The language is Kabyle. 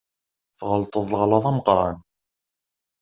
Tɣelṭeḍ leɣlaḍ d ameqqran.